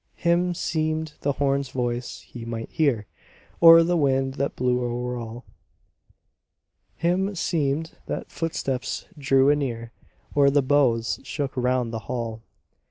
Him seemed the horn's voice he might hear Or the wind that blew o'er all. Him seemed that footsteps drew anear Or the boughs shook round the hall.